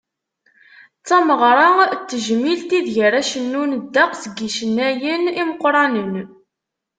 D tameɣra n tejmilt, ideg ara cennun ddeqs n yicennayen imeqqranen.